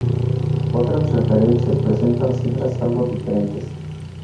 Otras referencias presentan cifras algo diferentes.